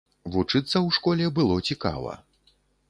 Вучыцца ў школе было цікава.